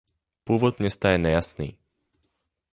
Původ města je nejasný.